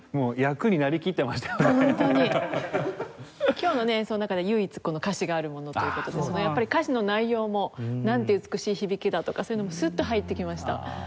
今日の演奏の中で唯一歌詞があるものという事でやっぱり歌詞の内容も「なんて美しい響きだ」とかそういうのもスッと入ってきました。